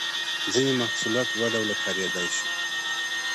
ځینې محصولات دوه ډوله کاریدای شي.